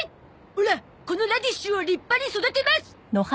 オラこのラディッシュを立派に育てます！